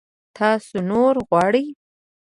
تاسو نور غواړئ؟